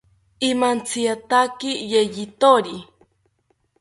Imantsiataki yeyithori